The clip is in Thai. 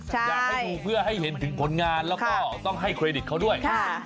อยากให้ดูเพื่อให้เห็นถึงผลงานแล้วก็ต้องให้เครดิตเขาด้วย